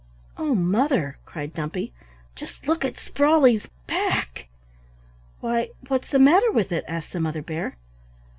"Oh, Mother!" cried Dumpy, "just look at Sprawley's back!" "Why, what's the matter with it?" asked the Mother Bear.